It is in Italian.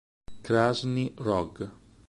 Krasnyj Rog